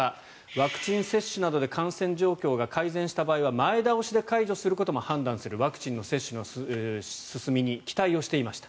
ワクチン接種などで感染状況が改善した場合は前倒しで解除することも判断するワクチンの接種の進みに期待をしていました。